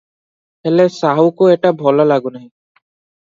ହେଲେ; ସାହୁକୁ ଏଟା ଭଲ ଲାଗୁନାହିଁ ।